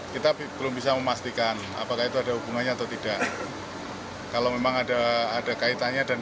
kita akan berani menyatakan bahwa itu ada kaitannya